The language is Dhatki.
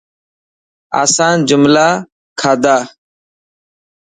آسان جهولا کادا.